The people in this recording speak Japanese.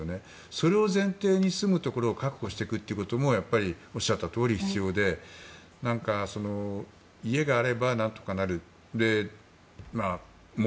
それを前提に住むところを確保していくこともおっしゃったとおり必要で家があれば、何とかなる。